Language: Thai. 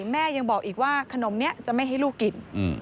แม่ยังบอกอีกว่าขนมนี้จะไม่ให้ลูกกิน